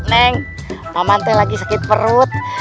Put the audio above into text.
neng mamante lagi sakit perut